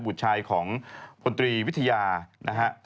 บุตรชายของพลตรีวิทยานะฮะ